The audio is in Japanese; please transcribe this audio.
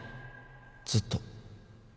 ずっと